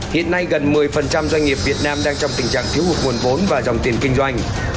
hiện nay gần một mươi doanh nghiệp việt nam đang trong tình trạng thiếu hụt nguồn vốn và dòng tiền kinh doanh